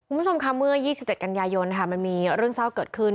คุณผู้ชมค่ะเมื่อ๒๗กันยายนมันมีเรื่องเศร้าเกิดขึ้น